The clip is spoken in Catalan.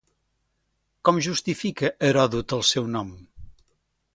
Com justifica Heròdot el seu nom?